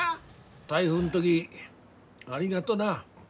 台風ん時ありがどな。